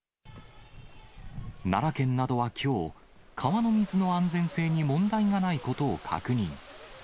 奈良県などはきょう、川の水の安全性に問題がないことを確認。